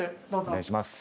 お願いします。